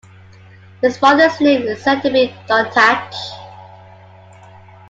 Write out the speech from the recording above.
His father's name is said to be Duthach.